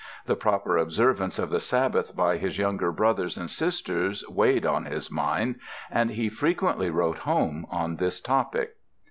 The proper observance of the Sabbath by his younger brothers and sisters weighed on his mind, and he frequently wrote home on this topic.